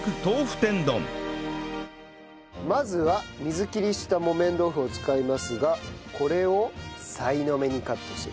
まずは水切りした木綿豆腐を使いますがこれをさいの目にカットする。